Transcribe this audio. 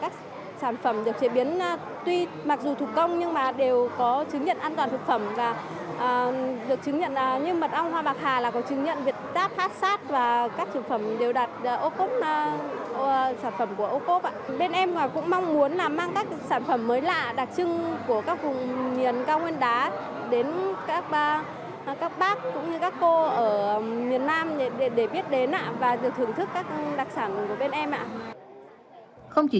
các sản phẩm được chế biến